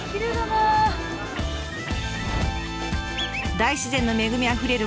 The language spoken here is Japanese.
大自然の恵みあふれる